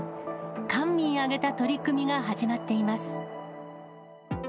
官民挙げた取り組みが始まっています。